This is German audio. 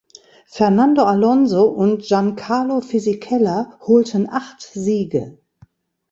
Fernando Alonso und Giancarlo Fisichella holten acht Siege.